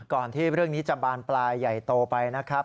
ที่เรื่องนี้จะบานปลายใหญ่โตไปนะครับ